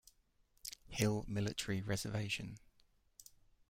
Hill Military Reservation.